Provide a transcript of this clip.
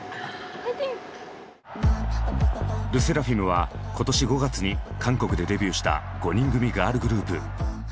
ＬＥＳＳＥＲＡＦＩＭは今年５月に韓国でデビューした５人組ガールグループ。